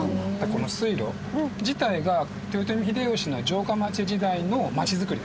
この水路自体が豊臣秀吉の城下町時代の町づくりですね。